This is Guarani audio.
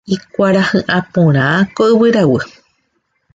Ikuarahy'ã porã ko yvyraguy.